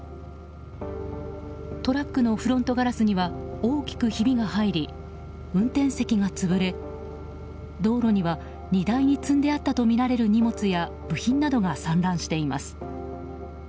トラックのフロントガラスには大きくひびが入り運転席が潰れ、道路には荷台に積んであったとみられる荷物や部品などが散乱しています。